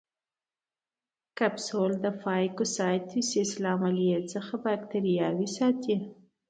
کپسول د فاګوسایټوسس له عملیې څخه باکتریاوې ساتي.